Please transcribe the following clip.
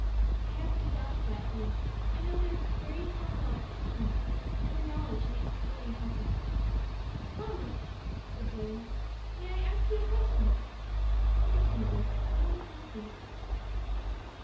"I haven't a doubt of that, dear. I know there is very strong love between you, and the knowledge makes me very happy." "Mamma," said Zoe, "may I ask you a question?" "Certainly, dear, as many as you please."